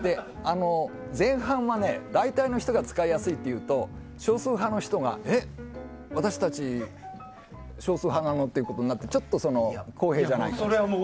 前半は大体の人が使いやすいというと少数派の人が私たち少数派なの？ってことになってちょっと不公平じゃないかと。